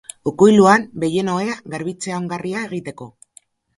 Ukuiluan behien ohea garbitzea ongarria egiteko.